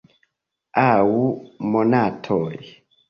Aŭ monatoj.